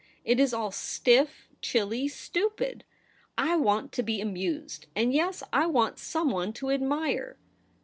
It is all stiff, chilly, stupid ! I want to be amused ; and, yes, I want some one to admire.'